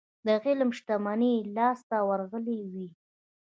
د علم شتمني يې لاسته ورغلې وي.